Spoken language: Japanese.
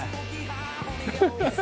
ハハハハ。